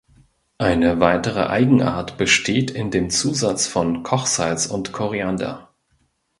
Eine weitere Eigenart besteht in dem Zusatz von Kochsalz und Koriander.